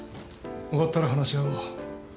終わったら話し合おう